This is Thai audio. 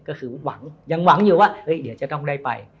ก็คือหวังยังหวังอยู่ว่าเดี๋ยวจะต้องได้ไป